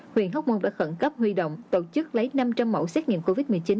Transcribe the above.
huyện hóc môn đã khẩn cấp huy động tổ chức lấy năm trăm linh mẫu xét nghiệm covid một mươi chín